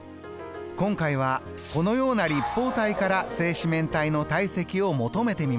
今回はこのような立方体から正四面体の体積を求めてみましょう。